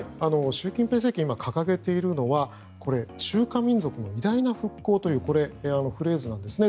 習近平政権が今、掲げているのはこれ、中華民族の偉大な復興というフレーズなんですね。